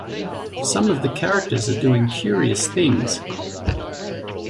Some of the characters are doing curious things.